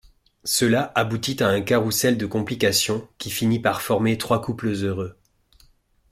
Cela aboutit à un carrousel de complications qui finit par former trois couples heureux.